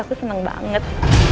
aku seneng banget